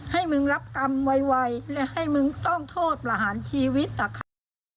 ให้มึงรับกรรมไวและให้มึงต้องโทษประหารชีวิตนะคะ